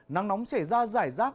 nắng nóng sẽ ra rải rác